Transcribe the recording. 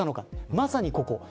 まさに、ここ。